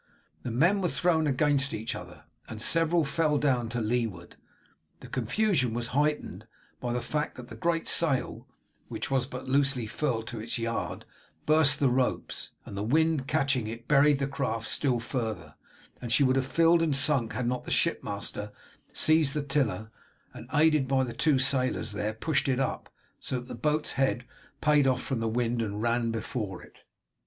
The men were thrown against each other, and several fell down to leeward. The confusion was heightened by the fact that the great sail, which was but loosely furled to its yard, burst the ropes, and the wind catching it buried the craft still further, and she would have filled and sunk had not the ship master seized the tiller, and aided by the two sailors there pushed it up, and so the boat's head payed off from the wind and ran before it.